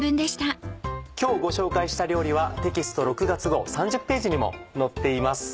今日ご紹介した料理はテキスト６月号３０ページにも載っています。